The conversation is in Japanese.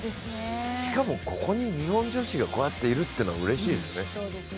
しかもここに日本女子がこうやっているのは、うれしいですね。